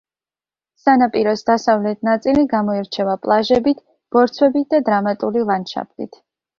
სანაპიროს დასავლეთ ნაწილი გამოირჩევა პლაჟებით, ბორცვებით და დრამატული ლანდშაფტით.